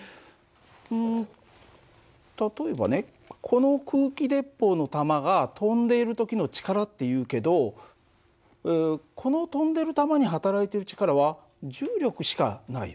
この空気鉄砲の弾が飛んでいる時の力っていうけどこの飛んでる弾に働いてる力は重力しかないよね。